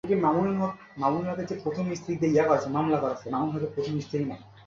শোন না, ও কি পাঞ্জাবি?